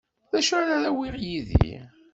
D acu ara awiɣ yid-i.